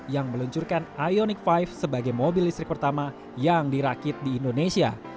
yang meluncurkan ioniq lima sebagai mobil listrik pertama yang dirakit di indonesia